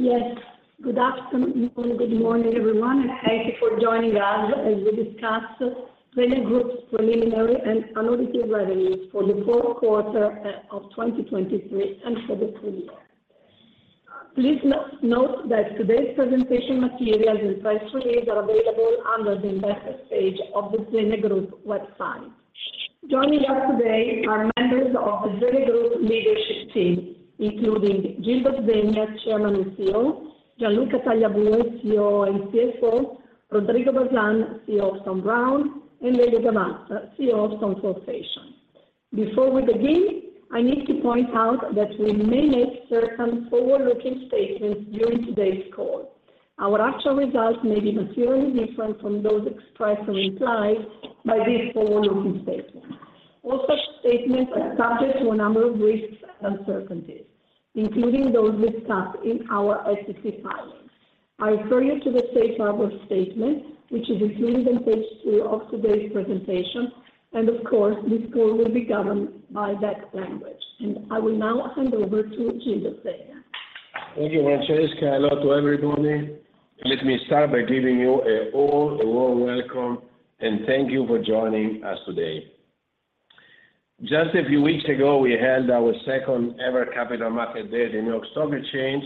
Yes. Good afternoon, or good morning, everyone, and thank you for joining us as we discuss Zegna Group's preliminary and unaudited revenues for the fourth quarter of 2023 and for the full year. Please note that today's presentation materials and press release are available under the Investors page of the Zegna Group website. Joining us today are members of the Zegna Group leadership team, including Gildo Zegna, Chairman and CEO, Gianluca Tagliabue, COO and CFO, Rodrigo Bazan, CEO of Thom Browne, and Lelio Gavazza, CEO of Tom Ford Fashion. Before we begin, I need to point out that we may make certain forward-looking statements during today's call. Our actual results may be materially different from those expressed or implied by these forward-looking statements. All such statements are subject to a number of risks and uncertainties, including those discussed in our SEC filings. I refer you to the safe harbor statement, which is included on page two of today's presentation, and of course, this call will be governed by that language. I will now hand over to Gildo Zegna. Thank you, Francesca. Hello to everybody. Let me start by giving you all a warm welcome, and thank you for joining us today. Just a few weeks ago, we had our second-ever Capital Markets Day in New York Stock Exchange,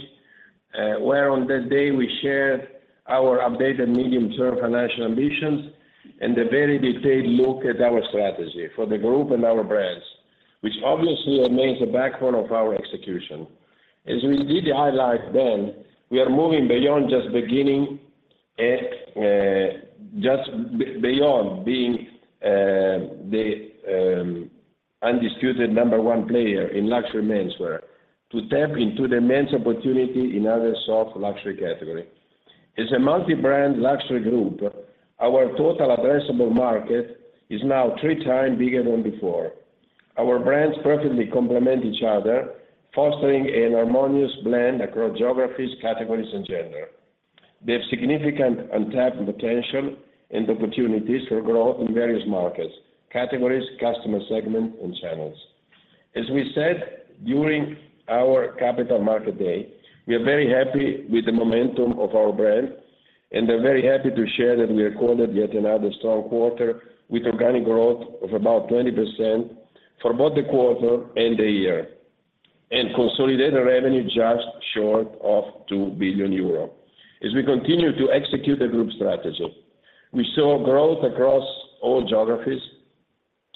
where on that day, we shared our updated medium-term financial ambitions and a very detailed look at our strategy for the group and our brands, which obviously remains the backbone of our execution. As we did highlight then, we are moving beyond just being the undisputed number one player in luxury menswear to tap into the men's opportunity in other soft luxury category. As a multi-brand luxury group, our total addressable market is now three times bigger than before. Our brands perfectly complement each other, fostering a harmonious blend across geographies, categories, and gender. They have significant untapped potential and opportunities for growth in various markets, categories, customer segments, and channels. As we said during our Capital Market Day, we are very happy with the momentum of our brand, and we're very happy to share that we recorded yet another strong quarter with organic growth of about 20% for both the quarter and the year, and consolidated revenue just short of 2 billion euro. As we continue to execute the group strategy, we saw growth across all geographies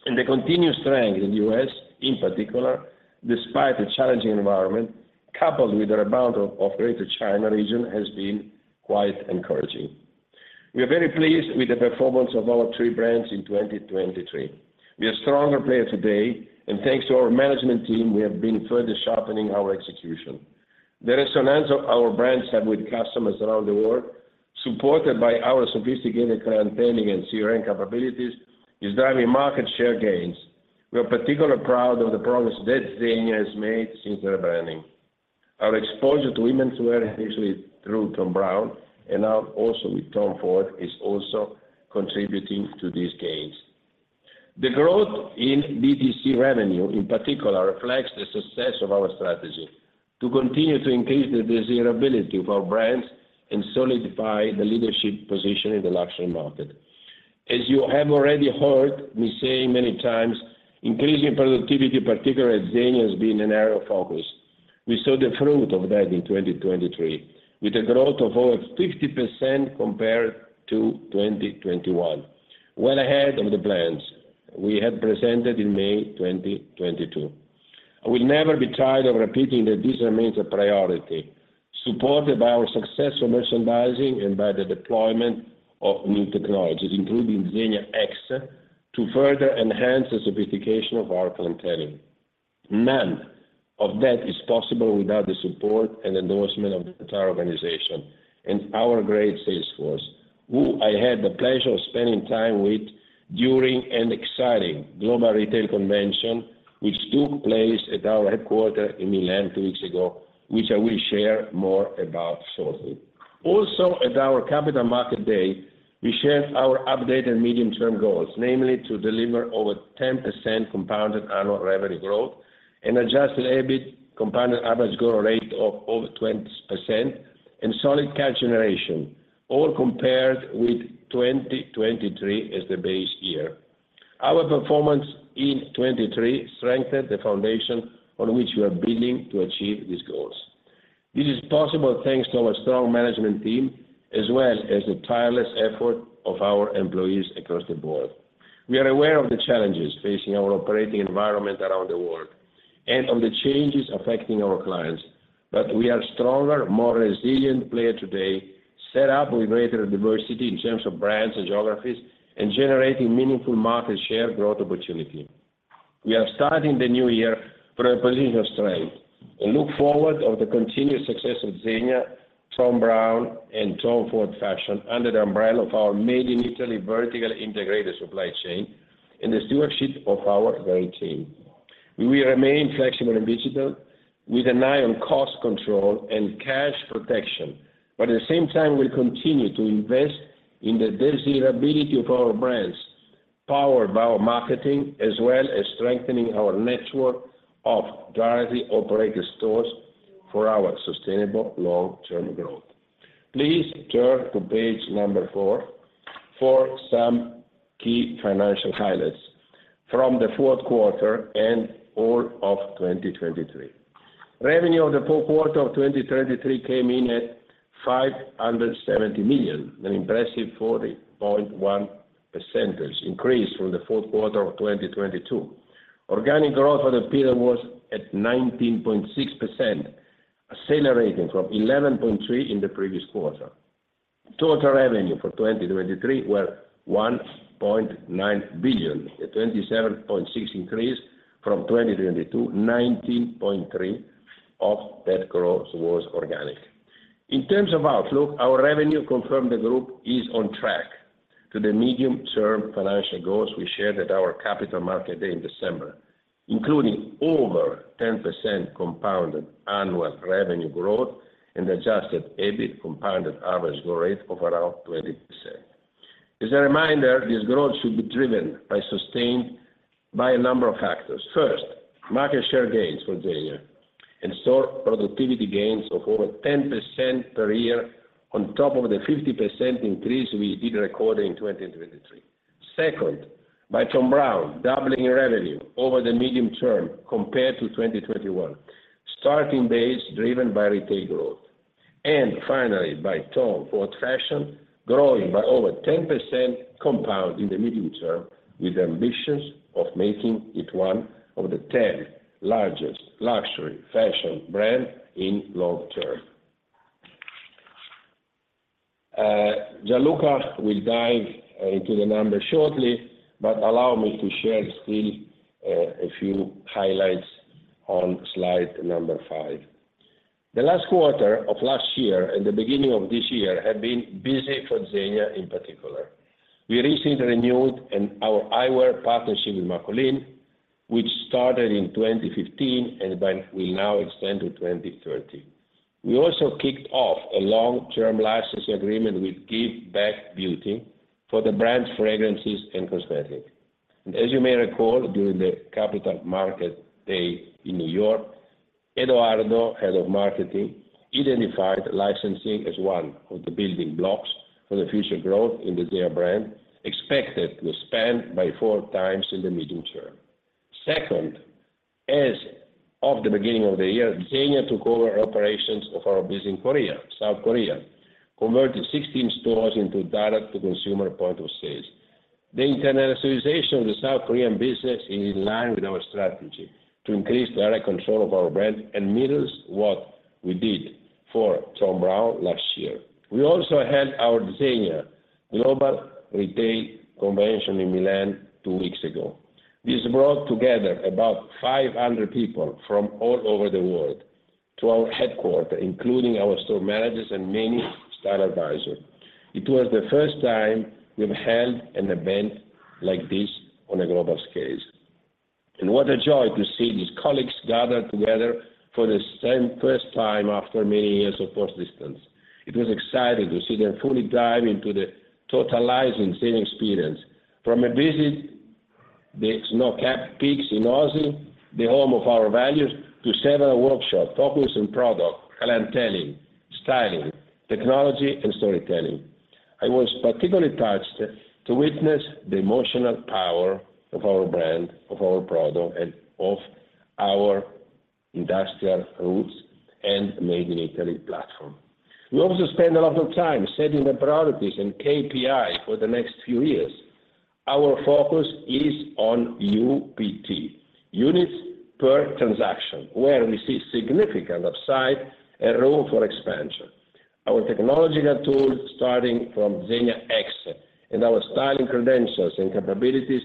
and the continued strength in the U.S., in particular, despite the challenging environment, coupled with the rebound of Greater China region, has been quite encouraging. We are very pleased with the performance of our three brands in 2023. We are a stronger player today, and thanks to our management team, we have been further sharpening our execution. The resonance of our brands have with customers around the world, supported by our sophisticated clienteling and CRM capabilities, is driving market share gains. We are particularly proud of the progress that ZEGNA has made since rebranding. Our exposure to womenswear, initially through Thom Browne and now also with Tom Ford, is also contributing to these gains. The growth in DTC revenue, in particular, reflects the success of our strategy to continue to increase the desirability of our brands and solidify the leadership position in the luxury market. As you have already heard me say many times, increasing productivity, particularly at ZEGNA, has been an area of focus. We saw the fruit of that in 2023, with a growth of over 50% compared to 2021, well ahead of the plans we had presented in May 2022. I will never be tired of repeating that this remains a priority, supported by our success of merchandising and by the deployment of new technologies, including ZEGNA X, to further enhance the sophistication of our clienteling. None of that is possible without the support and endorsement of the entire organization and our great sales force, who I had the pleasure of spending time with during an exciting global retail convention, which took place at our headquarters in Milan two weeks ago, which I will share more about shortly. Also, at our Capital Markets Day, we shared our updated medium-term goals, namely to deliver over 10% compounded annual revenue growth and Adjusted EBIT compounded average growth rate of over 20% and solid cash generation, all compared with 2023 as the base year. Our performance in 2023 strengthened the foundation on which we are building to achieve these goals. This is possible thanks to our strong management team, as well as the tireless effort of our employees across the board. We are aware of the challenges facing our operating environment around the world and of the changes affecting our clients, but we are stronger, more resilient player today, set up with greater diversity in terms of brands and geographies, and generating meaningful market share growth opportunity. We are starting the new year from a position of strength and look forward of the continued success of ZEGNA, Thom Browne, and Tom Ford Fashion under the umbrella of our made in Italy, vertical integrated supply chain and the stewardship of our great team. We will remain flexible and visible with an eye on cost control and cash protection, but at the same time, we'll continue to invest in the desirability of our brands... power our marketing, as well as strengthening our network of directly operated stores for our sustainable long-term growth. Please turn to page 4 for some key financial highlights from the fourth quarter and all of 2023. Revenue for the fourth quarter of 2023 came in at 570 million, an impressive 40.1% increase from the fourth quarter of 2022. Organic growth for the period was at 19.6%, accelerating from 11.3% in the previous quarter. Total revenue for 2023 were 1.9 billion, a 27.6% increase from 2022, 19.3% of that growth was organic. In terms of outlook, our revenue confirmed the group is on track to the medium-term financial goals we shared at our Capital Markets Day in December, including over 10% compounded annual revenue growth and Adjusted EBIT compounded average growth rate of around 20%. As a reminder, this growth should be driven by sustained by a number of factors. First, market share gains for ZEGNA and store productivity gains of over 10% per year on top of the 50% increase we did record in 2023. Second, by Thom Browne doubling revenue over the medium term compared to 2021 starting base driven by retail growth. And finally, by Tom Ford Fashion growing by over 10% compound in the medium term, with ambitions of making it one of the 10 largest luxury fashion brands in long-term. Gianluca will dive into the numbers shortly, but allow me to share still, a few highlights on slide number five. The last quarter of last year and the beginning of this year have been busy for ZEGNA in particular. We recently renewed our eyewear partnership with Marcolin, which started in 2015 and will now extend to 2030. We also kicked off a long-term licensing agreement with Give Back Beauty for the brand's fragrances and cosmetics. And as you may recall, during the Capital Markets Day in New York, Edoardo, Head of Marketing, identified licensing as one of the building blocks for the future growth in the ZEGNA brand, expected to expand by four times in the medium term. Second, as of the beginning of the year, Zegna took over operations of our business in Korea, South Korea, converting 16 stores into direct-to-consumer point of sales. The internationalization of the South Korean business is in line with our strategy to increase direct control of our brand and mirrors what we did for Thom Browne last year. We also had our Zegna Global Retail Convention in Milan two weeks ago. This brought together about 500 people from all over the world to our headquarters, including our store managers and many style advisors. It was the first time we've held an event like this on a global scale. And what a joy to see these colleagues gather together for the same first time after many years of long distance. It was exciting to see them fully dive into the totalizing ZEGNA experience, from a visit to the snow-capped peaks in Oasi, the home of our values, to several workshops focused on product, clienteling, styling, technology, and storytelling. I was particularly touched to witness the emotional power of our brand, of our product, and of our industrial roots and Made in Italy platform. We also spent a lot of time setting the priorities and KPI for the next few years. Our focus is on UPT, units per transaction, where we see significant upside and room for expansion. Our technological tools, starting from ZEGNA X, and our styling credentials and capabilities,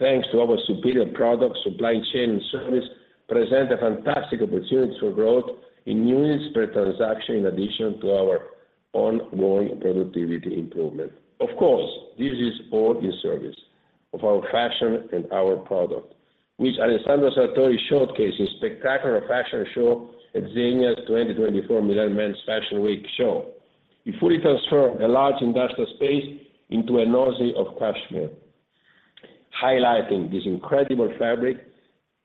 thanks to our superior product, supply chain, and service, present a fantastic opportunity for growth in units per transaction, in addition to our ongoing productivity improvement. Of course, this is all in service of our fashion and our product, which Alessandro Sartori showcased his spectacular fashion show at ZEGNA's 2024 Milan Men's Fashion Week show. He fully transformed a large industrial space into an Oasi of cashmere, highlighting this incredible fabric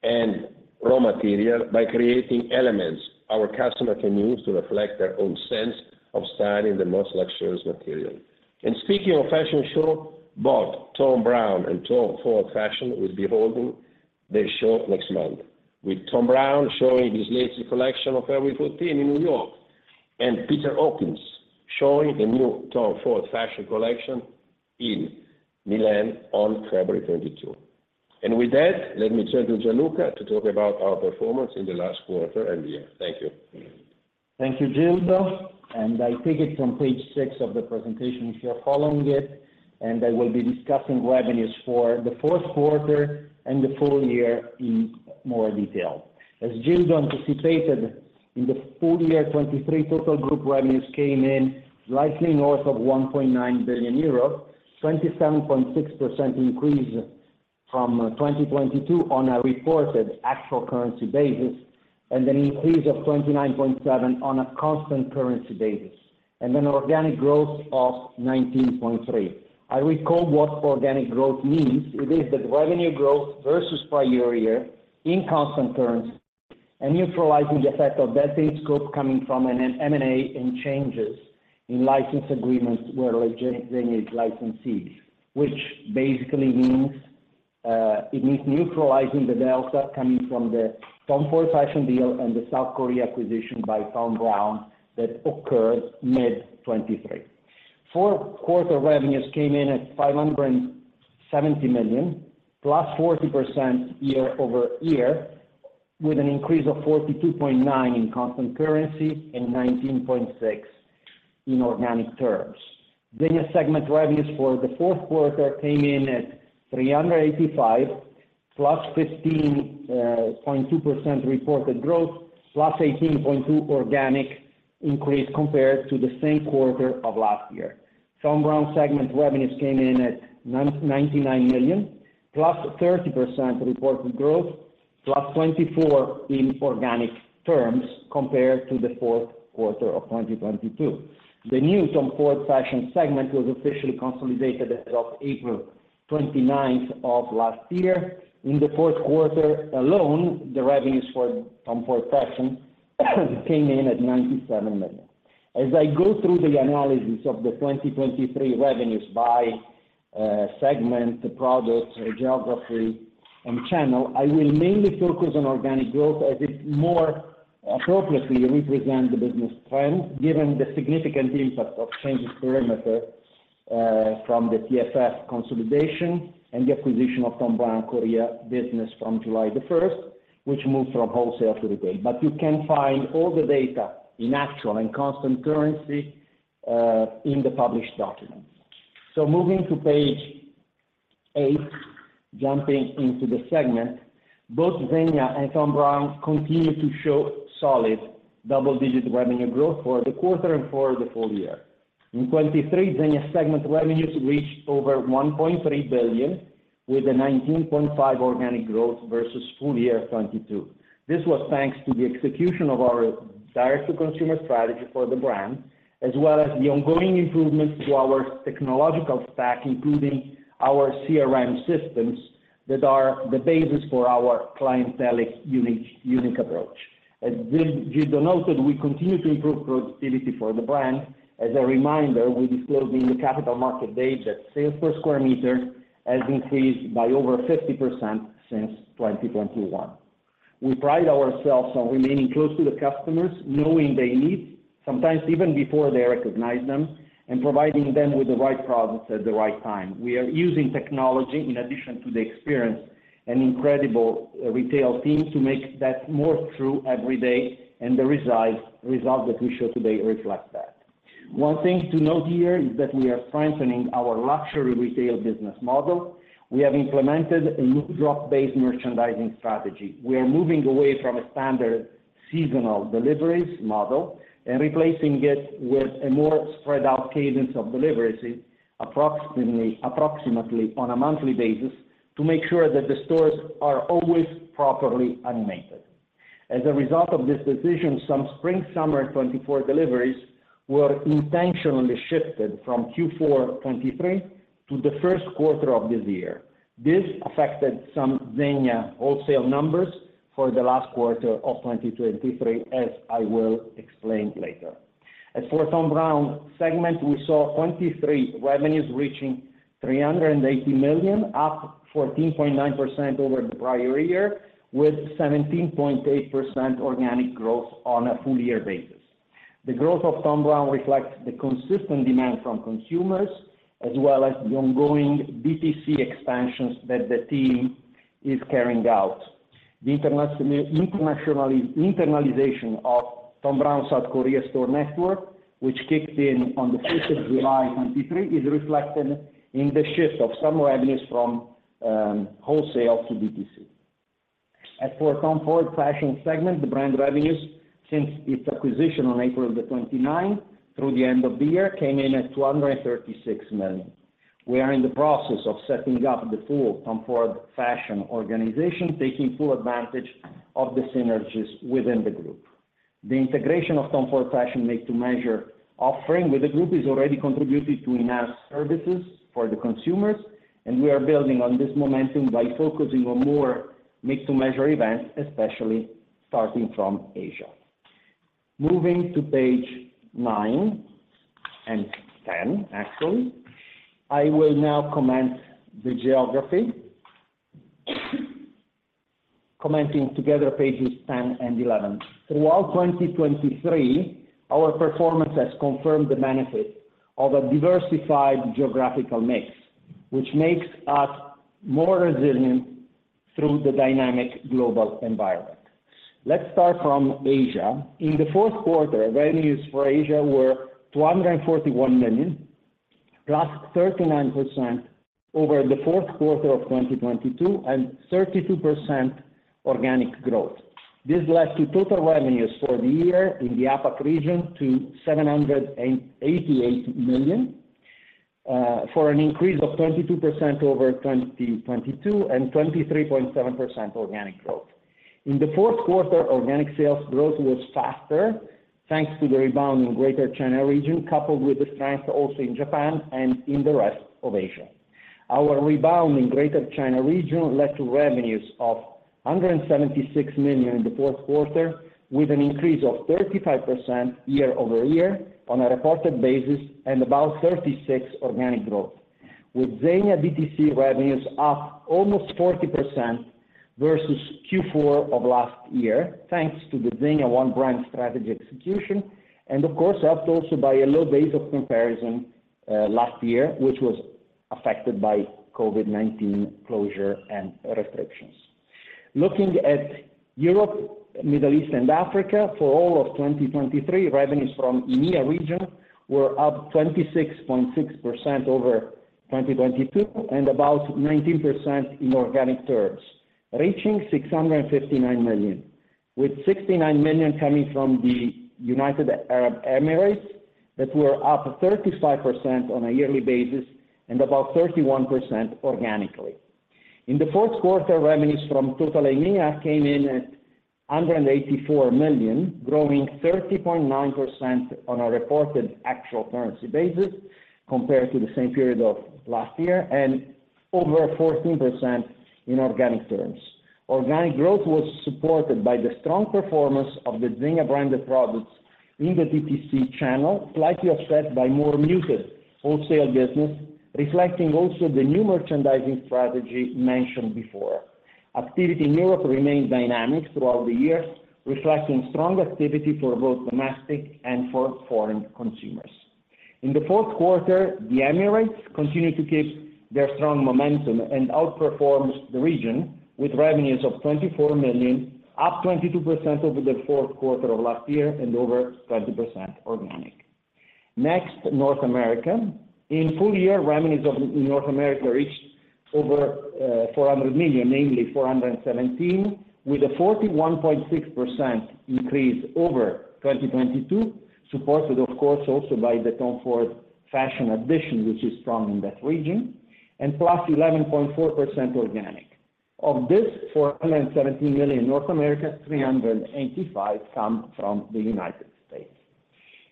and raw material by creating elements our customers can use to reflect their own sense of style in the most luxurious material. And speaking of fashion show, both Thom Browne and Tom Ford Fashion will be holding their show next month, with Thom Browne showing his latest collection on February 14 in New York, and Peter Hawkings showing the new Tom Ford Fashion collection in Milan on February 22. And with that, let me turn to Gianluca to talk about our performance in the last quarter and year. Thank you. Thank you, Gildo, and I take it from page six of the presentation, if you are following it, and I will be discussing revenues for the fourth quarter and the full year in more detail. As Gildo anticipated, in the full year 2023, total group revenues came in slightly north of 1.9 billion euros, 27.6% increase from 2022 on a reported actual currency basis, and an increase of 29.7 on a constant currency basis, and an organic growth of 19.3. I recall what organic growth means. It is the revenue growth versus prior year in constant currency, and neutralizing the effect of that scope coming from an M&A and changes in license agreements where ZEGNA is licensee, which basically means, it means neutralizing the delta coming from the Tom Ford Fashion deal and the South Korea acquisition by Thom Browne that occurred mid-2023. Fourth quarter revenues came in at 570 million, +40% year-over-year, with an increase of 42.9 in constant currency and 19.6 in organic terms. ZEGNA segment revenues for the fourth quarter came in at 385 million, +15.2% reported growth, +18.2 organic increase compared to the same quarter of last year. Thom Browne segment revenues came in at 999 million, +30% reported growth, +24% in organic terms compared to the fourth quarter of 2022. The new Tom Ford Fashion segment was officially consolidated as of April 29th of last year. In the fourth quarter alone, the revenues for Tom Ford Fashion came in at 97 million. As I go through the analysis of the 2023 revenues by, segment, product, geography and channel, I will mainly focus on organic growth as it more appropriately represent the business trend, given the significant impact of changes perimeter, from the TFF consolidation and the acquisition of Thom Browne Korea business from July 1, which moved from wholesale to retail. But you can find all the data in actual and constant currency, in the published documents. So moving to page eight, jumping into the segment, both ZEGNA and Thom Browne continue to show solid double-digit revenue growth for the quarter and for the full year. In 2023, ZEGNA segment revenues reached over 1.3 billion, with a 19.5% organic growth versus full year 2022. This was thanks to the execution of our direct-to-consumer strategy for the brand, as well as the ongoing improvements to our technological stack, including our CRM systems, that are the basis for our clienteling unique approach. As you noted, we continue to improve productivity for the brand. As a reminder, we disclosed in the capital markets day that sales per square meter has increased by over 50% since 2021. We pride ourselves on remaining close to the customers, knowing their needs, sometimes even before they recognize them, and providing them with the right products at the right time. We are using technology in addition to the experience and incredible retail teams to make that more true every day, and the result that we show today reflect that. One thing to note here is that we are strengthening our luxury retail business model. We have implemented a new drop-based merchandising strategy. We are moving away from a standard seasonal deliveries model and replacing it with a more spread out cadence of deliveries, approximately on a monthly basis, to make sure that the stores are always properly animated. As a result of this decision, some spring/summer 2024 deliveries were intentionally shifted from Q4 2023 to the first quarter of this year. This affected some Zegna wholesale numbers for the last quarter of 2023, as I will explain later. As for Thom Browne segment, we saw 2023 revenues reaching 380 million, up 14.9% over the prior year, with 17.8% organic growth on a full year basis. The growth of Thom Browne reflects the consistent demand from consumers, as well as the ongoing DTC expansions that the team is carrying out. The internationalization of Thom Browne South Korea store network, which kicked in on the first of July 2023, is reflected in the shift of some revenues from wholesale to DTC. As for Tom Ford Fashion segment, the brand revenues since its acquisition on April the twenty-ninth through the end of the year came in at 236 million. We are in the process of setting up the full Tom Ford Fashion organization, taking full advantage of the synergies within the group. The integration of Tom Ford Fashion made-to-measure offering with the group has already contributed to enhanced services for the consumers, and we are building on this momentum by focusing on more made-to-measure events, especially starting from Asia. Moving to pages nine and 10, actually. I will now comment on the geography. Commenting together, pages 10 and 11. Throughout 2023, our performance has confirmed the benefit of a diversified geographical mix, which makes us more resilient through the dynamic global environment. Let's start from Asia. In the fourth quarter, revenues for Asia were 241 million, +39% over the fourth quarter of 2022, and 32% organic growth.... This led to total revenues for the year in the APAC region to 788 million, for an increase of 22% over 2022, and 23.7% organic growth. In the fourth quarter, organic sales growth was faster, thanks to the rebound in Greater China region, coupled with the strength also in Japan and in the rest of Asia. Our rebound in Greater China region led to revenues of 176 million in the fourth quarter, with an increase of 35% year-over-year on a reported basis, and about 36 organic growth, with ZEGNA DTC revenues up almost 40% versus Q4 of last year, thanks to the ZEGNA One Brand strategy execution, and of course, helped also by a low base of comparison, last year, which was affected by COVID-19 closure and restrictions. Looking at Europe, Middle East and Africa, for all of 2023, revenues from EMEA region were up 26.6% over 2022, and about 19% in organic terms, reaching 659 million, with 69 million coming from the United Arab Emirates, that were up 35% on a yearly basis and about 31% organically. In the fourth quarter, revenues from total EMEA came in at 184 million, growing 30.9% on a reported actual currency basis, compared to the same period of last year, and over 14% in organic terms. Organic growth was supported by the strong performance of the Zegna branded products in the DTC channel, slightly offset by more muted wholesale business, reflecting also the new merchandising strategy mentioned before. Activity in Europe remained dynamic throughout the year, reflecting strong activity for both domestic and for foreign consumers. In the fourth quarter, the Emirates continued to keep their strong momentum and outperforms the region with revenues of 24 million, up 22% over the fourth quarter of last year and over 20% organic. Next, North America. In full year, revenues of North America reached over 400 million, namely 417 million, with a 41.6% increase over 2022, supported of course, also by the Tom Ford Fashion addition, which is strong in that region, and +11.4% organic. Of this 417 million North America, 385 million come from the United States.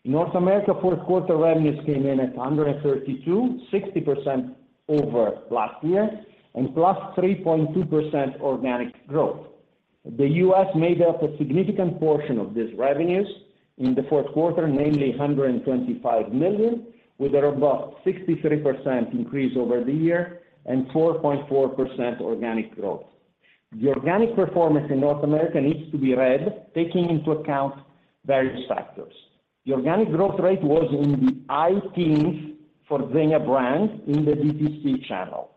North America, fourth quarter revenues came in at 132 million, 60% over last year and +3.2% organic growth. The US made up a significant portion of these revenues in the fourth quarter, namely 125 million, with a robust 63% increase over the year and 4.4% organic growth. The organic performance in North America needs to be read, taking into account various factors. The organic growth rate was in the high teens for Zegna brand in the DTC channel.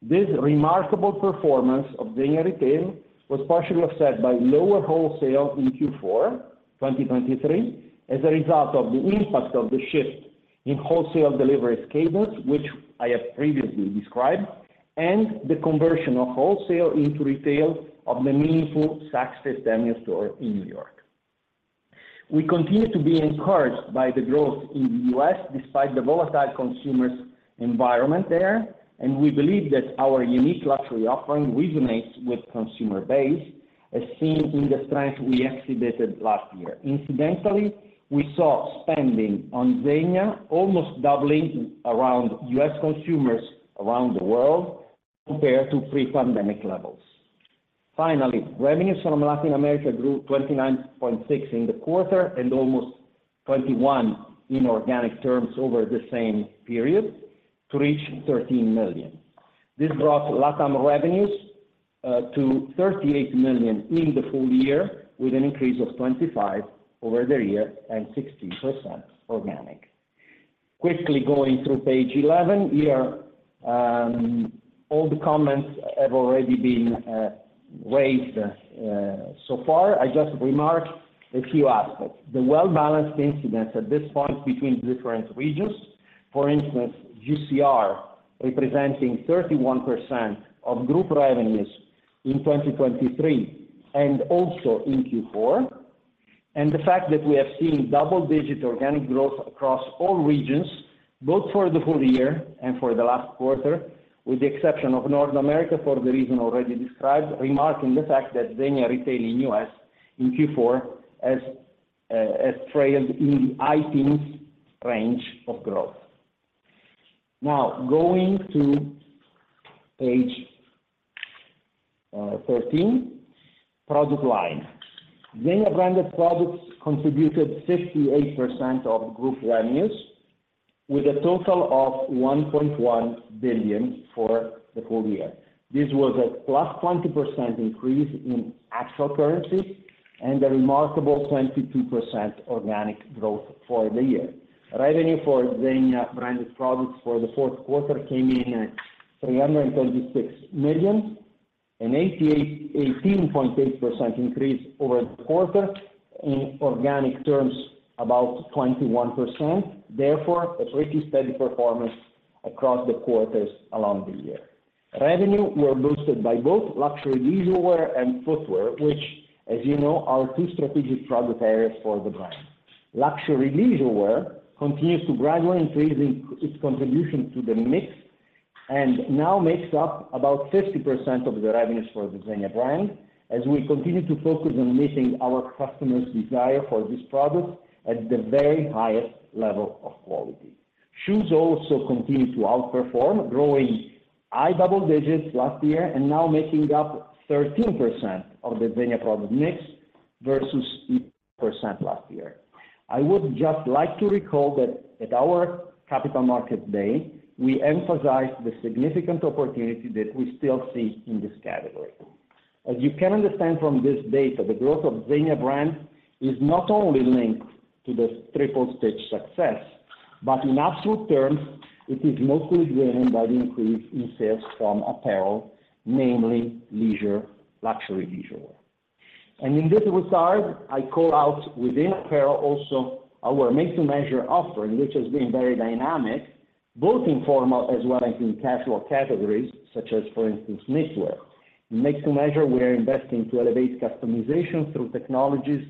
This remarkable performance of Zegna retail was partially offset by lower wholesale in Q4 2023, as a result of the impact of the shift in wholesale delivery schedules, which I have previously described, and the conversion of wholesale into retail of the meaningful Saks Fifth Avenue store in New York. We continue to be encouraged by the growth in the U.S. despite the volatile consumer environment there, and we believe that our unique luxury offering resonates with consumer base, as seen in the strength we exhibited last year. Incidentally, we saw spending on ZEGNA almost doubling among U.S. consumers around the world compared to pre-pandemic levels. Finally, revenues from Latin America grew 29.6% in the quarter and almost 21% in organic terms over the same period to reach 13 million. This brought LatAm revenues to 38 million in the full year, with an increase of 25% over the year and 60% organic. Quickly going through page eleven here, all the comments have already been raised so far. I just remark a few aspects. The well-balanced incidence at this point between different regions, for instance, GCR representing 31% of group revenues in 2023 and also in Q4, and the fact that we have seen double-digit organic growth across all regions, both for the full year and for the last quarter, with the exception of North America, for the reason already described, remarking the fact that ZEGNA retail in U.S. in Q4 has trailed in the high teens range of growth. Now, going to page 13, product line. ZEGNA branded products contributed 58% of group revenues, with a total of 1.1 billion for the full year. This was a +20% increase in actual currency and a remarkable 22% organic growth for the year. Revenue for ZEGNA branded products for the fourth quarter came in at 326 million, an 18.8% increase over the quarter. In organic terms, about 21%, therefore, a pretty steady performance across the quarters along the year. Revenue were boosted by both luxury leisurewear and footwear, which, as you know, are two strategic product areas for the brand. Luxury leisurewear continues to gradually increasing its contribution to the mix, and now makes up about 50% of the revenues for the ZEGNA brand, as we continue to focus on meeting our customers' desire for this product at the very highest level of quality. Shoes also continue to outperform, growing high double digits last year and now making up 13% of the ZEGNA product mix versus 8% last year. I would just like to recall that at our capital market day, we emphasized the significant opportunity that we still see in this category. As you can understand from this data, the growth of Zegna brand is not only linked to the Triple Stitch success, but in absolute terms, it is mostly driven by the increase in sales from apparel, namely leisure, luxury leisurewear. In this regard, I call out within apparel also our made-to-measure offering, which has been very dynamic, both in formal as well as in casual categories, such as, for instance, knitwear. In made-to-measure, we are investing to elevate customization through technologies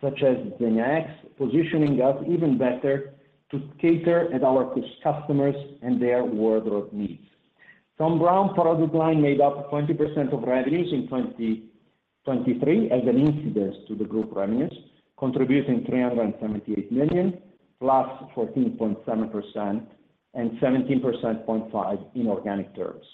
such as Zegna X, positioning us even better to cater at our customers and their wardrobe needs. Thom Browne product line made up 20% of revenues in 2023, as an incidence to the group revenues, contributing 378 million, +14.7% and 17.5% in organic terms.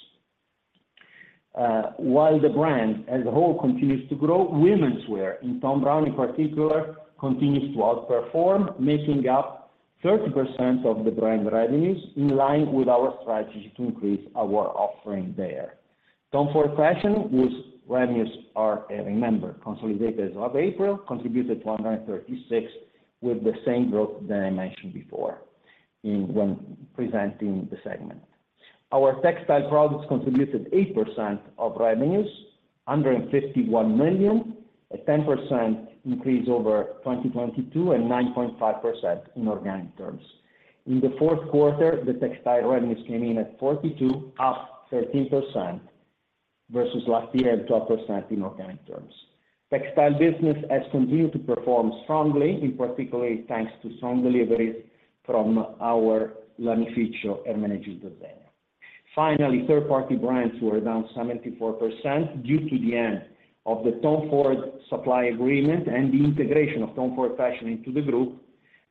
While the brand as a whole continues to grow, womenswear in Thom Browne in particular, continues to outperform, making up 30% of the brand revenues in line with our strategy to increase our offering there. Tom Ford Fashion, whose revenues are, remember, consolidated as of April, contributed 136 million, with the same growth that I mentioned before in when presenting the segment. Our textile products contributed 8% of revenues, 151 million, a 10% increase over 2022 and 9.5% in organic terms. In the fourth quarter, the textile revenues came in at 42, up 13% versus last year, and 12% in organic terms. Textile business has continued to perform strongly, in particular, thanks to strong deliveries from our Lanificio Ermenegildo Zegna. Finally, third-party brands were down 74% due to the end of the Tom Ford supply agreement and the integration of Tom Ford Fashion into the group.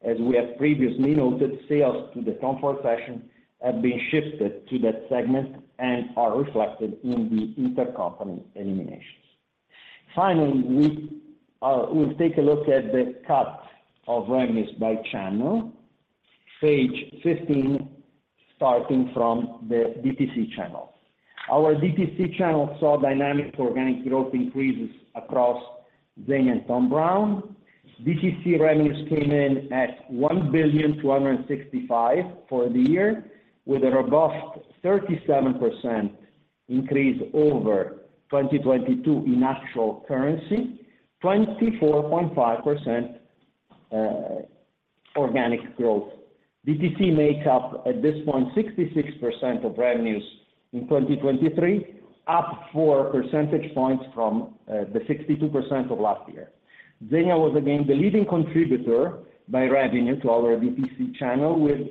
As we have previously noted, sales to the Tom Ford Fashion have been shifted to that segment and are reflected in the intercompany eliminations. Finally, we, we'll take a look at the cut of revenues by channel, page 15, starting from the DTC channel. Our DTC channel saw dynamic organic growth increases across Zegna and Thom Browne. DTC revenues came in at 1,265 million for the year, with a robust 37% increase over 2022 in actual currency, 24.5% organic growth. DTC makes up, at this point, 66% of revenues in 2023, up 4 percentage points from the 62% of last year. Zegna was again the leading contributor by revenue to our DTC channel, with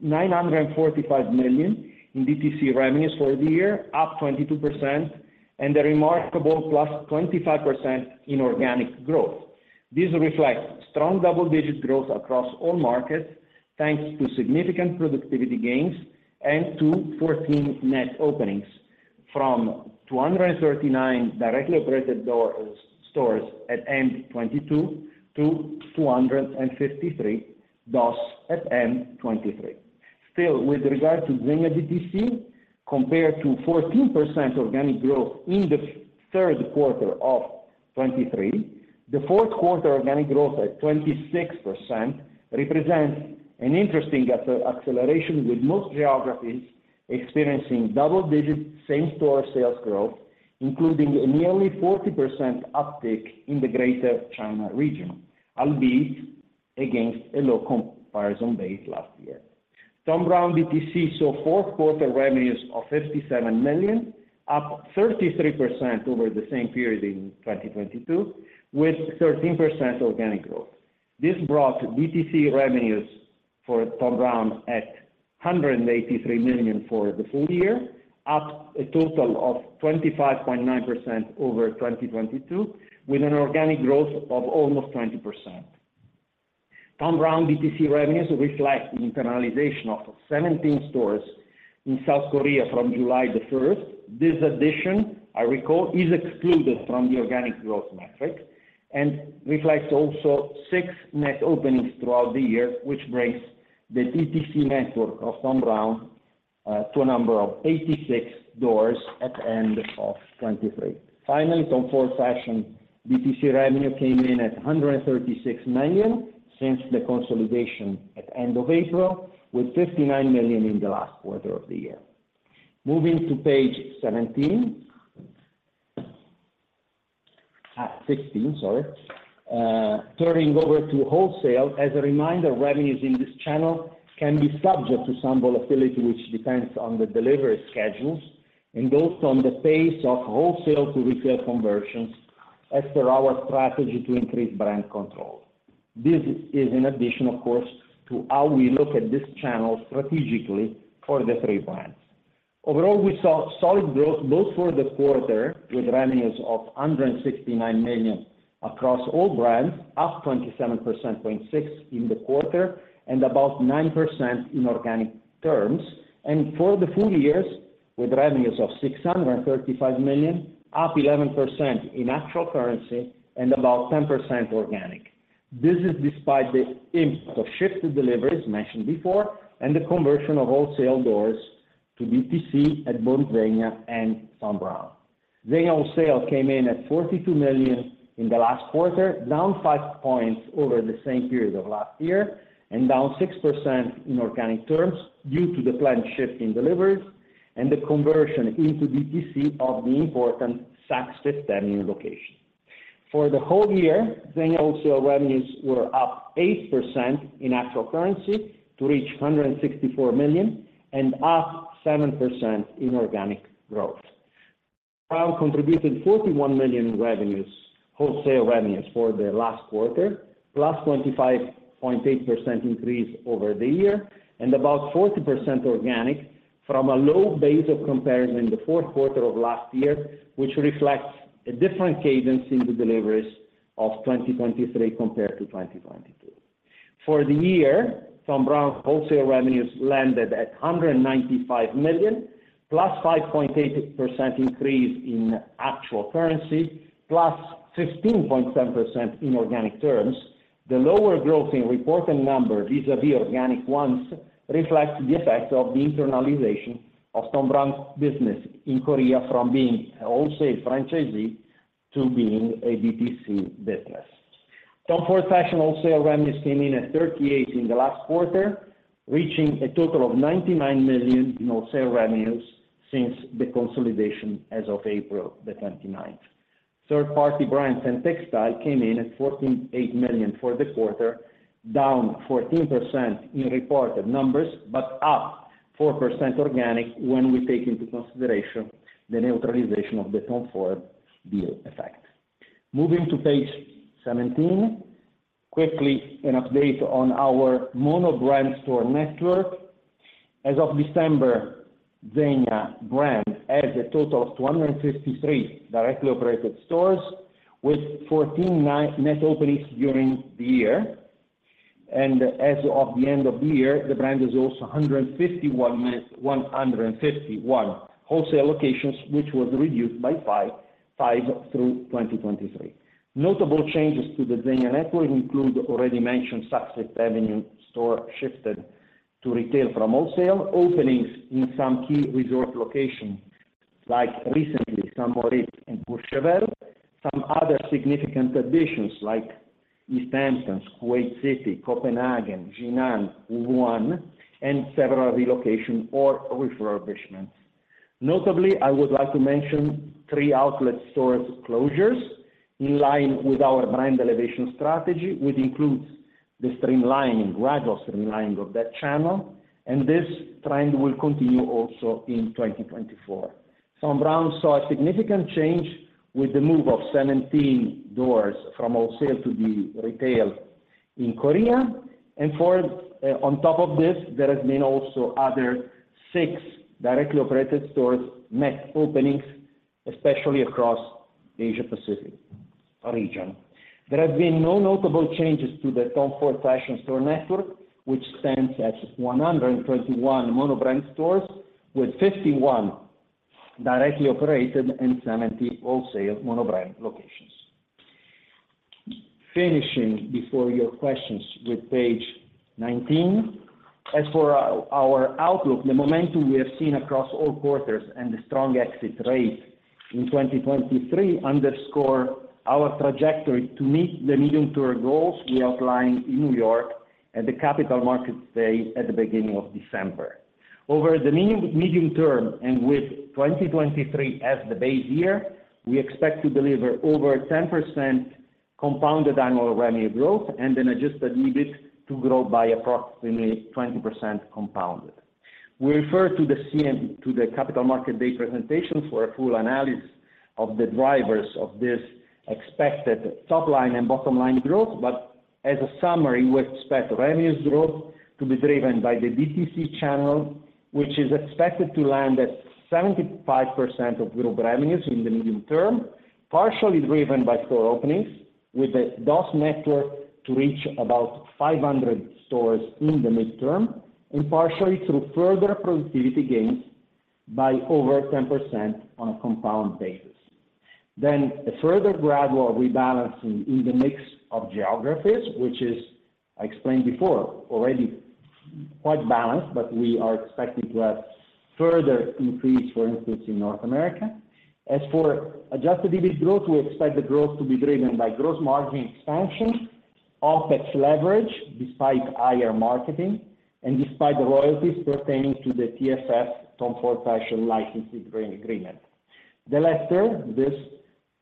945 million in DTC revenues for the year, up 22% and a remarkable +25% in organic growth. This reflects strong double-digit growth across all markets, thanks to significant productivity gains and to 14 net openings from 239 directly operated door-stores at end 2022 to 253 doors at end 2023. Still, with regard to ZEGNA DTC, compared to 14% organic growth in the third quarter of 2023, the fourth quarter organic growth at 26% represents an interesting acceleration, with most geographies experiencing double-digit same-store sales growth, including a nearly 40% uptick in the Greater China region, albeit against a low comparison base last year. Thom Browne DTC saw fourth quarter revenues of 57 million, up 33% over the same period in 2022, with 13% organic growth. This brought DTC revenues for Thom Browne at 183 million for the full year, up a total of 25.9% over 2022, with an organic growth of almost 20%. Thom Browne DTC revenues reflect the internalization of 17 stores in South Korea from July 1. This addition, I recall, is excluded from the organic growth metric and reflects also six net openings throughout the year, which brings the DTC network of Thom Browne to a number of 86 doors at end of 2023. Finally, Thom Browne DTC revenue came in at 136 million since the consolidation at end of April, with 59 million in the last quarter of the year. Moving to page seventeen? At 16, sorry. Turning over to wholesale, as a reminder, revenues in this channel can be subject to some volatility, which depends on the delivery schedules and also on the pace of wholesale to retail conversions as per our strategy to increase brand control. This is in addition, of course, to how we look at this channel strategically for the three brands. Overall, we saw solid growth, both for the quarter, with revenues of 169 million across all brands, up 27.6% in the quarter and about 9% in organic terms. For the full years, with revenues of 635 million, up 11% in actual currency and about 10% organic. This is despite the impact of shifted deliveries mentioned before, and the conversion of wholesale doors to DTC at both ZEGNA and Thom Browne. ZEGNA wholesale came in at 42 million in the last quarter, down five points over the same period of last year, and down 6% in organic terms due to the planned shift in deliveries and the conversion into DTC of the important Saks Fifth Avenue location. For the whole year, ZEGNA wholesale revenues were up 8% in actual currency to reach 164 million, and up 7% in organic growth. Browne contributed 41 million in revenues, wholesale revenues for the last quarter, +25.8% increase over the year and about 40% organic from a low base of comparison in the fourth quarter of last year, which reflects a different cadence in the deliveries of 2023 compared to 2022. For the year, Thom Browne wholesale revenues landed at 195 million,+5.8% increase in actual currency, +16.7% in organic terms. The lower growth in reported numbers vis-a-vis organic ones, reflects the effect of the internalization of Thom Browne's business in Korea from being a wholesale franchisee to being a DTC business. Tom Ford Fashion wholesale revenues came in at 38 million in the last quarter, reaching a total of 99 million in wholesale revenues since the consolidation as of April 29th. Third party brands and textile came in at 148 million for the quarter, down 14% in reported numbers, but up 4% organic when we take into consideration the neutralization of the Tom Ford Fashion deal effect. Moving to page 17, quickly an update on our monobrand store network. As of December, Zegna brand has a total of 253 directly operated stores, with 149 net openings during the year. As of the end of the year, the brand is also 151, 151 wholesale locations, which was reduced by five, five through 2023. Notable changes to the Zegna network include already mentioned Saks Fifth Avenue store shifted to retail from wholesale, openings in some key resort locations, like recently, Saint Moritz and Courchevel. Some other significant additions like East Hampton, Kuwait City, Copenhagen, Jinan, Wuhan, and several relocation or refurbishments. Notably, I would like to mention three outlet store closures in line with our brand elevation strategy, which includes the streamlining, gradual streamlining of that channel, and this trend will continue also in 2024. Thom Browne saw a significant change with the move of 17 doors from wholesale to the retail in Korea. For, on top of this, there has been also other six directly operated stores net openings, especially across the Asia Pacific region. There have been no notable changes to the Tom Ford Fashion store network, which stands at 121 monobrand stores, with 51 directly operated and 70 wholesale monobrand locations. Finishing before your questions with page 19. As for our outlook, the momentum we have seen across all quarters and the strong exit rates in 2023 underscore our trajectory to meet the medium-term goals we outlined in New York at the Capital Markets Day at the beginning of December. Over the medium term, and with 2023 as the base year, we expect to deliver over 10% compounded annual revenue growth and an Adjusted EBIT to grow by approximately 20% compounded. We refer to the Capital Markets Day presentation for a full analysis of the drivers of this expected top line and bottom line growth, but as a summary, we expect revenues growth to be driven by the DTC channel, which is expected to land at 75% of group revenues in the medium term, partially driven by store openings, with the DOS network to reach about 500 stores in the midterm, and partially through further productivity gains by over 10% on a compound basis. Then a further gradual rebalancing in the mix of geographies, which is, I explained before, already quite balanced, but we are expecting to have further increase, for instance, in North America. As for Adjusted EBIT growth, we expect the growth to be driven by gross margin expansion. OpEx leverage despite higher marketing and despite the royalties pertaining to the TSF, Tom Ford Fashion licensing agreement.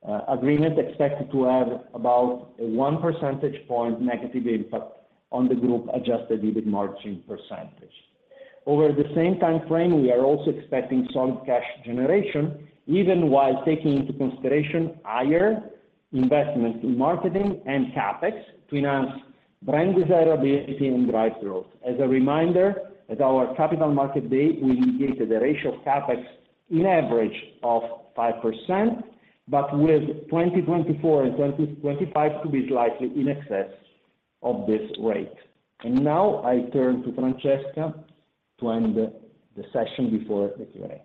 The latter, this, agreement expected to have about a 1 percentage point negative impact on the group Adjusted EBIT margin percentage. Over the same time frame, we are also expecting solid cash generation, even while taking into consideration higher investments in marketing and CapEx to enhance brand desirability and drive growth. As a reminder, at our Capital Markets Day, we indicated a ratio of CapEx in average of 5%, but with 2024 and 2025 to be slightly in excess of this rate. And now I turn to Francesca to end the session before the Q&A.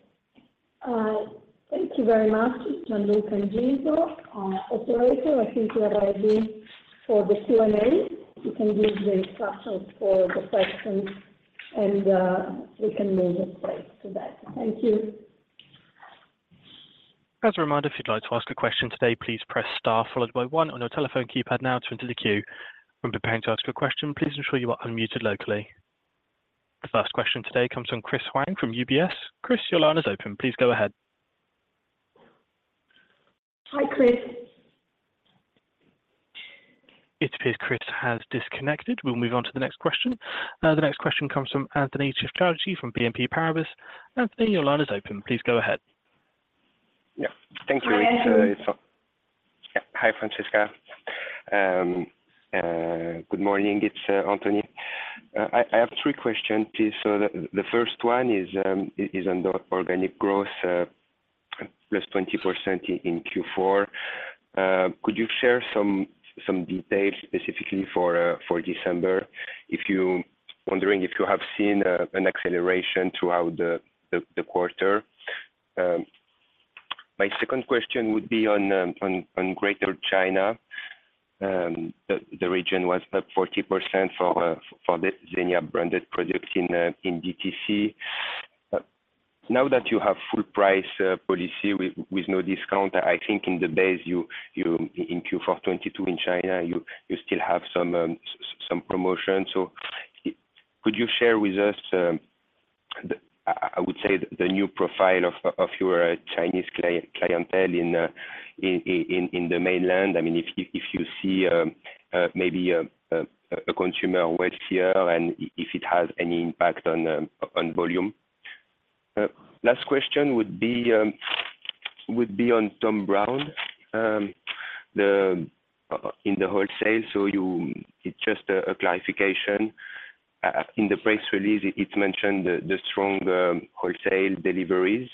Thank you very much, Gianluca and Gildo. Operator, I think we are ready for the Q&A. You can give the instructions for the questions, and we can move it right to that. Thank you. As a reminder, if you'd like to ask a question today, please press star followed by one on your telephone keypad now to enter the queue. When preparing to ask a question, please ensure you are unmuted locally. The first question today comes from Chris Huang from UBS. Chris, your line is open. Please go ahead. Hi, Chris. It appears Chris has disconnected. We'll move on to the next question. The next question comes from Anthony Charchafji from BNP Paribas. Anthony, your line is open. Please go ahead. Yeah. Thank you. Hi, Anthony. Yeah. Hi, Francesca. Good morning. It's Anthony. I have three questions, please. So the first one is on the organic growth, +20% in Q4. Could you share some details specifically for December? If you're wondering if you have seen an acceleration throughout the quarter. My second question would be on Greater China. The region was up 40% for the ZEGNA branded products in DTC. Now that you have full price policy with no discount, I think in the base, you in Q4 2022 in China, you still have some promotion. So could you share with us the... I would say, the new profile of your Chinese clientele in the mainland? I mean, if you see, maybe a consumer wealthier and if it has any impact on volume. Last question would be on Thom Browne in the wholesale. So you... It's just a clarification. In the press release, it's mentioned the strong wholesale deliveries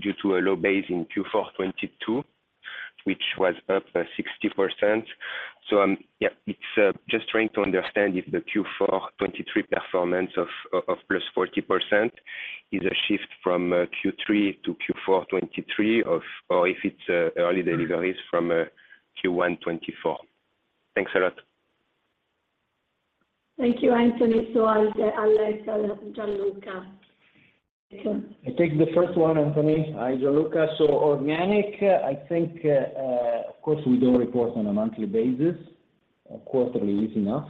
due to a low base in Q4 2022, which was up by 60%. So, yeah, it's just trying to understand if the Q4 2023 performance of +40% is a shift from Q3 to Q4 2023 or if it's early deliveries from Q1 2024. Thanks a lot. Thank you, Anthony. So I'll let Gianluca. I take the first one, Anthony. Hi, Gianluca. So organic, I think, of course, we don't report on a monthly basis. Quarterly is enough.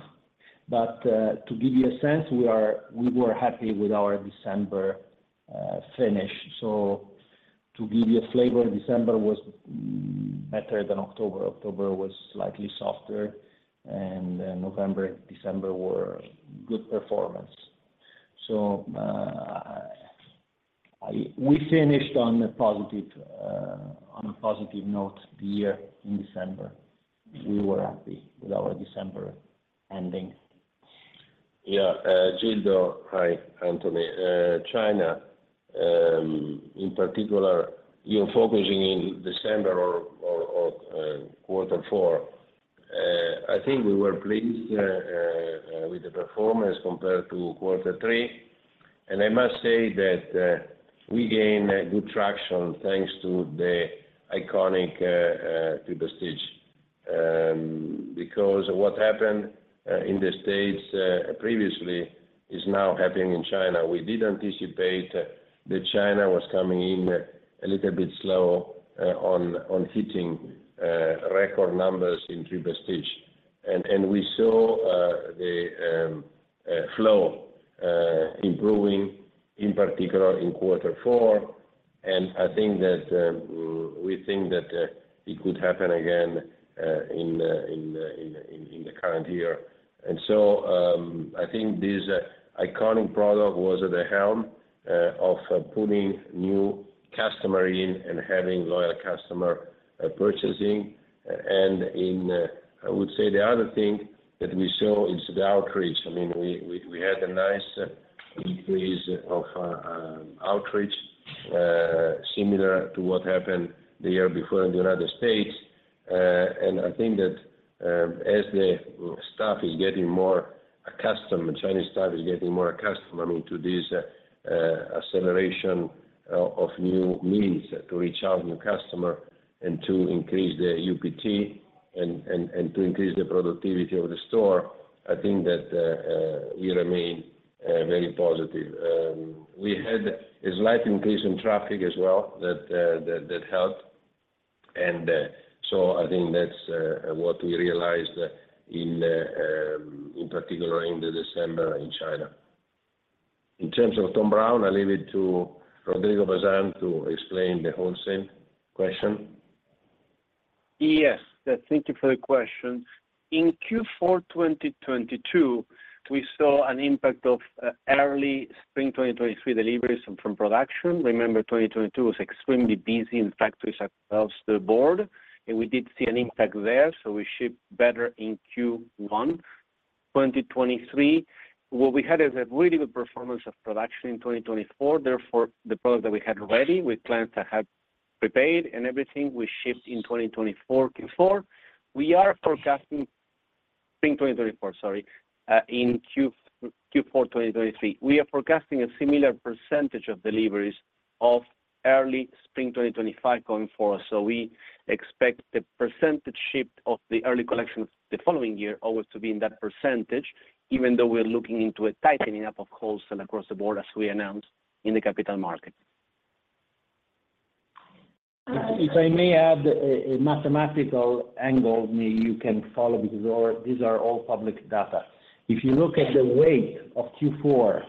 But, to give you a sense, we are—we were happy with our December finish. So to give you a flavor, December was better than October. October was slightly softer, and then November and December were good performance. So, I... We finished on a positive, on a positive note, the year in December. We were happy with our December ending. Yeah. Gildo. Hi, Anthony. China, in particular, you're focusing in December or quarter four. I think we were pleased with the performance compared to quarter three, and I must say that we gained a good traction thanks to the iconic Triple Stitch. Because what happened in the States previously is now happening in China. We did anticipate that China was coming in a little bit slow on hitting record numbers in Triple Stitch. And we saw the flow improving, in particular in quarter four, and I think that we think that it could happen again in the current year. So, I think this iconic product was at the helm of putting new customer in and having loyal customer purchasing. I would say the other thing that we saw is the outreach. I mean, we had a nice increase of outreach, similar to what happened the year before in the United States. And I think that, as the staff is getting more accustomed, the Chinese staff is getting more accustomed, I mean, to this acceleration of new means to reach out new customer and to increase the UPT and to increase the productivity of the store, I think that we remain very positive. We had a slight increase in traffic as well, that helped. And so I think that's what we realized in particular in December in China. In terms of Thom Browne, I leave it to Rodrigo Bazan to explain the wholesale question. Yes, thank you for the question. In Q4, 2022, we saw an impact of early spring 2023 deliveries from production. Remember, 2022 was extremely busy in factories across the board, and we did see an impact there, so we shipped better in Q1, 2023. What we had is a really good performance of production in 2024, therefore, the product that we had ready with clients that had prepaid and everything, we shipped in 2024, Q4. We are forecasting spring 2024, sorry, in Q4, 2023. We are forecasting a similar percentage of deliveries of early spring 2025 going forward. So we expect the percentage shipped of the early collection the following year, always to be in that percentage, even though we're looking into a tightening up of wholesale across the board, as we announced in the capital markets. If I may add a mathematical angle, you can follow because all these are all public data. If you look at the weight of Q4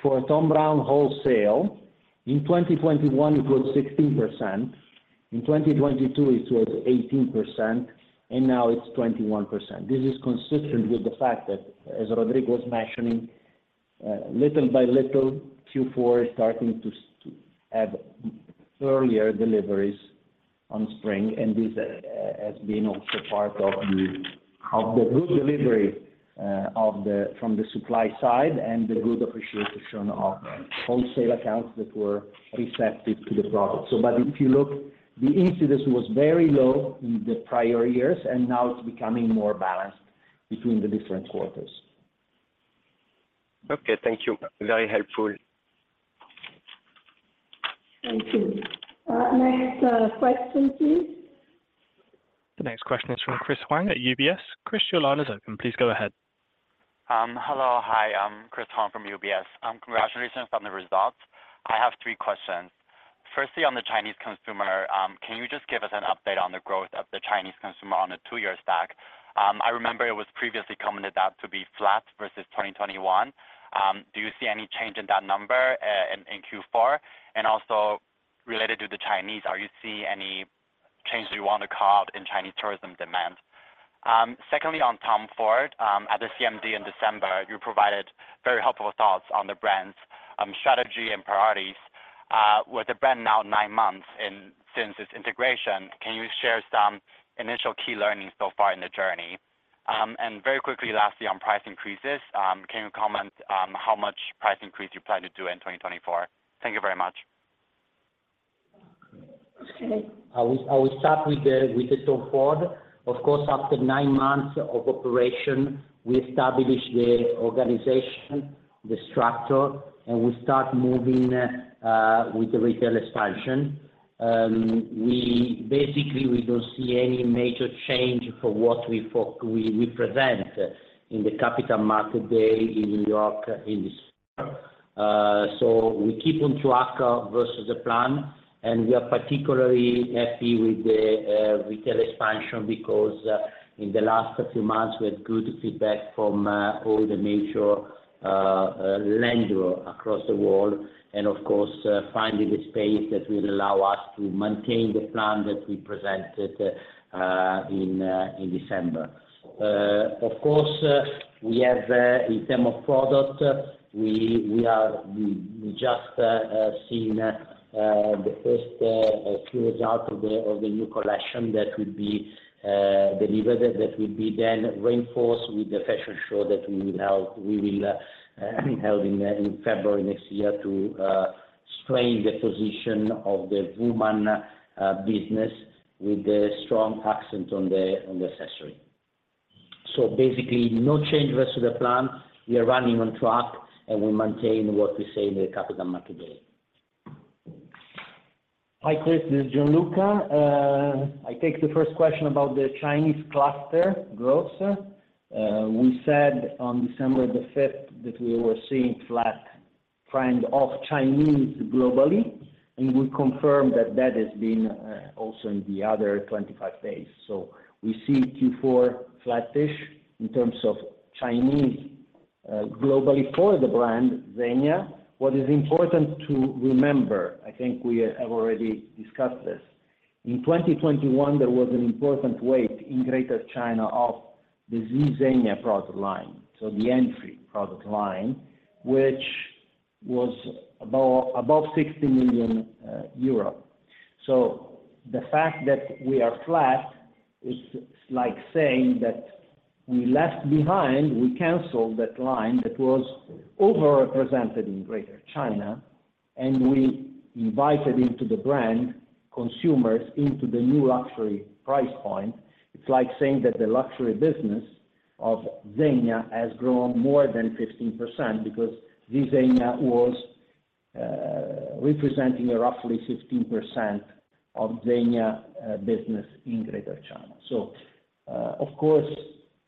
for Thom Browne wholesale, in 2021, it was 16%, in 2022, it was 18%, and now it's 21%. This is consistent with the fact that, as Rodrigo was mentioning, little by little, Q4 is starting to have earlier deliveries on spring, and this has been also part of the good delivery from the supply side and the good appreciation of wholesale accounts that were receptive to the product. If you look, the incidence was very low in the prior years, and now it's becoming more balanced between the different quarters. Okay. Thank you. Very helpful. Thank you. Next, question, please. The next question is from Chris Huang at UBS. Chris, your line is open. Please go ahead. Hello. Hi, I'm Chris Huang from UBS. Congratulations on the results. I have three questions. Firstly, on the Chinese consumer, can you just give us an update on the growth of the Chinese consumer on a two-year stack? I remember it was previously commented out to be flat versus 2021. Do you see any change in that number in Q4? And also related to the Chinese, are you seeing any changes you want to call out in Chinese tourism demand? Secondly, on Tom Ford, at the CMD in December, you provided very helpful thoughts on the brand's strategy and priorities. With the brand now nine months in since its integration, can you share some initial key learnings so far in the journey? Very quickly, lastly, on price increases, can you comment on how much price increase you plan to do in 2024? Thank you very much. Okay. I will start with the Tom Ford. Of course, after nine months of operation, we established the organization, the structure, and we start moving with the retail expansion. We basically don't see any major change for what we thought we present in the Capital Markets Day in New York in the spring. So we keep on track versus the plan, and we are particularly happy with the retail expansion because in the last few months, we had good feedback from all the major landlord across the world, and of course, finding the space that will allow us to maintain the plan that we presented in December. Of course, we have, in term of product, we are—we just seen the first few results of the new collection that will be delivered, that will be then reinforced with the fashion show that we will have—we will held in February next year to strain the position of the woman business with a strong accent on the accessory. So basically, no change versus the plan. We are running on track, and we maintain what we say in the Capital Markets Day. Hi, Chris, this is Gianluca. I take the first question about the Chinese cluster growth. We said on December the fifth that we were seeing flat trend of Chinese globally, and we confirm that that has been also in the other 25 days. So we see Q4 flattish in terms of Chinese, globally for the brand Zegna. What is important to remember, I think we have already discussed this. In 2021, there was an important weight in Greater China of the Z Zegna product line, so the entry product line, which was about above 60 million euros. So the fact that we are flat is like saying that we left behind, we canceled that line that was overrepresented in Greater China, and we invited into the brand, consumers into the new luxury price point. It's like saying that the luxury business of Zegna has grown more than 15% because Z Zegna was, representing a roughly 16% of Zegna, business in Greater China. So, of course......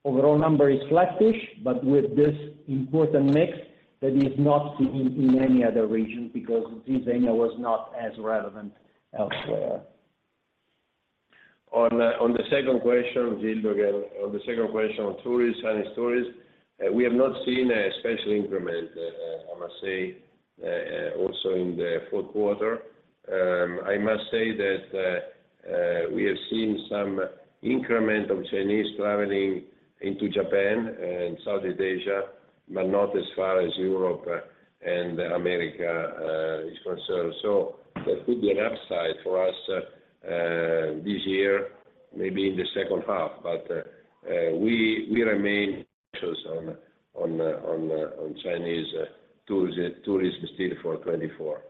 Overall number is flattish, but with this important mix that is not seen in any other region because ZEGNA was not as relevant elsewhere. On the second question, Gildo, on the second question on tourists and stores, we have not seen a special increment, I must say, also in the fourth quarter. I must say that we have seen some increment of Chinese traveling into Japan and Southeast Asia, but not as far as Europe and America is concerned. So there could be an upside for us this year, maybe in the second half. But we remain cautious on the Chinese tourists still for 2024.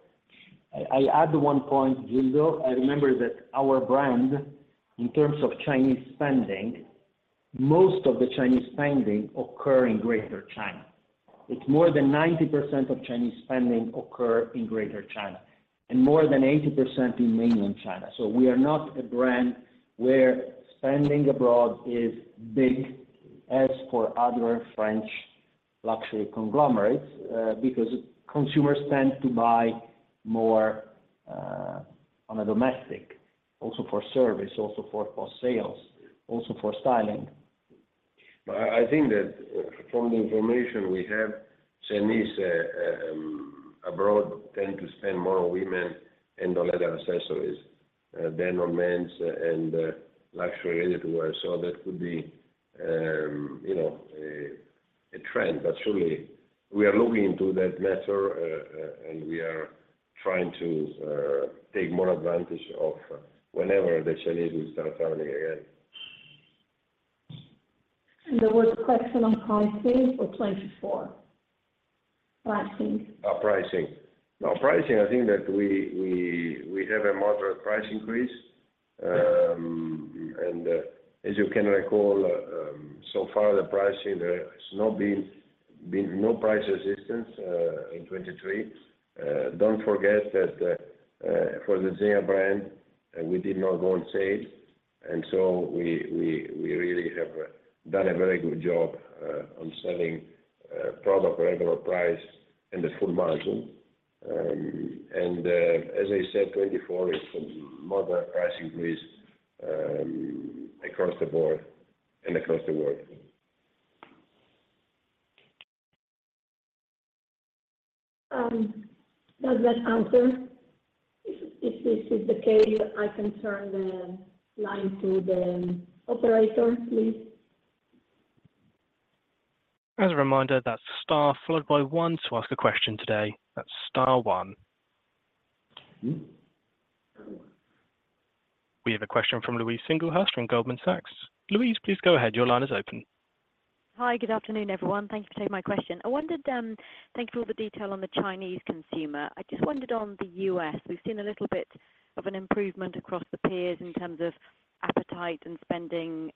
I add one point, Gildo. I remember that our brand, in terms of Chinese spending, most of the Chinese spending occur in Greater China. It's more than 90% of Chinese spending occur in Greater China and more than 80% in mainland China. So we are not a brand where spending abroad is big as for other French luxury conglomerates, because consumers tend to buy more, on a domestic, also for service, also for, for sales, also for styling. But I think that from the information we have, Chinese abroad tend to spend more on women and on leather accessories than on men's and luxury ready-to-wear. So that could be, you know, a trend, but surely we are looking into that matter, and we are trying to take more advantage of whenever the Chinese will start traveling again. There was a question on pricing for 2024. Pricing. Pricing. Now, pricing, I think that we have a moderate price increase. As you can recall, so far the pricing, there has not been no price resistance in 2023. Don't forget that for the Zegna brand, we did not go on sale, and so we really have done a very good job on selling product regular price and the full margin. As I said, 2024 is a moderate price increase across the board and across the world. Does that answer? If this is the case, I can turn the line to the operator, please. As a reminder, that's Star followed by one to ask a question today. That's Star one. Mm-hmm. We have a question from Louise Singlehurst from Goldman Sachs. Louise, please go ahead. Your line is open. Hi. Good afternoon, everyone. Thank you for taking my question. I wondered, thank you for all the detail on the Chinese consumer. I just wondered on the U.S., we've seen a little bit of an improvement across the peers in terms of appetite and spending,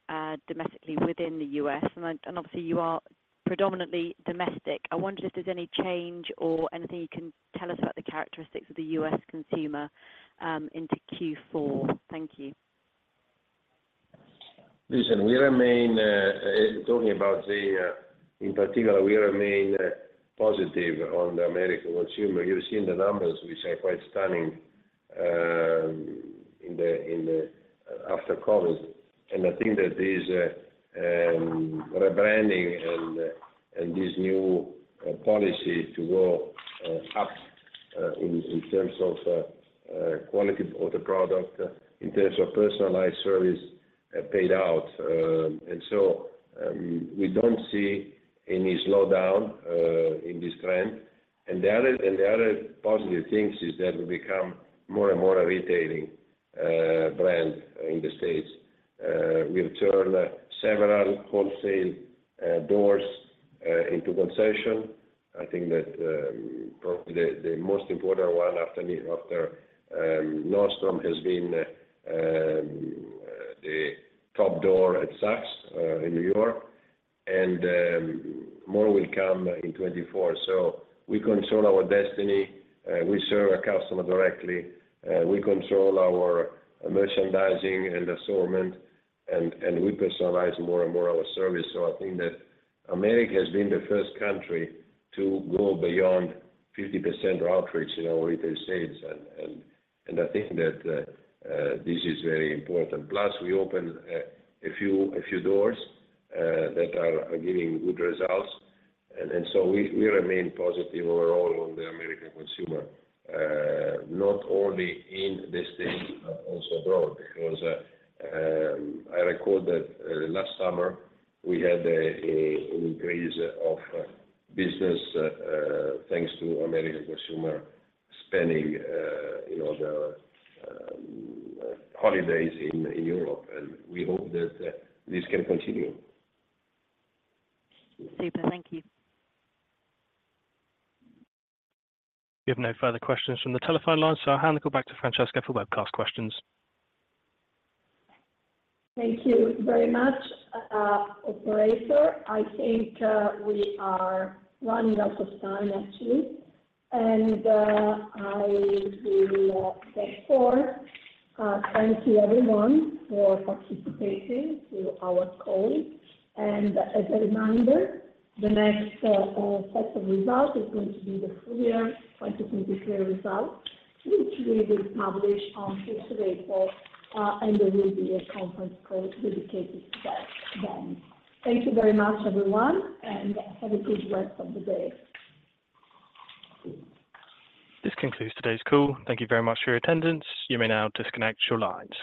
domestically within the U.S., and obviously you are predominantly domestic. I wonder if there's any change or anything you can tell us about the characteristics of the U.S. consumer, into Q4. Thank you. Listen, we remain talking about the, in particular, we remain positive on the American consumer. You've seen the numbers, which are quite stunning, in the after covers. And I think that this rebranding and this new policy to go up in terms of quality of the product, in terms of personalized service, paid out. And so, we don't see any slowdown in this trend. And the other positive things is that we become more and more a retailing brand in the States. We've turned several wholesale doors into concession. I think that probably the most important one after Nordstrom has been the top door at Saks in New York, and more will come in 2024. So we control our destiny, we serve our customer directly, we control our merchandising and assortment, and, and we personalize more and more our service. So I think that America has been the first country to go beyond 50% outreach in our retail sales, and, and, and I think that this is very important. Plus, we opened a few, a few doors that are giving good results. And, and so we, we remain positive overall on the American consumer, not only in the States, but also abroad. Because I recall that last summer, we had a, a increase of business thanks to American consumer spending, you know, the holidays in Europe, and we hope that this can continue. Super. Thank you. We have no further questions from the telephone lines, so I'll hand it back to Francesca for webcast questions. Thank you very much, operator. I think we are running out of time, actually, and I will thank for. Thank you everyone for participating to our call. And as a reminder, the next set of results is going to be the full year 2023 results, which we will publish on sixth of April, and there will be a conference call dedicated to that then. Thank you very much, everyone, and have a good rest of the day. This concludes today's call. Thank you very much for your attendance. You may now disconnect your lines.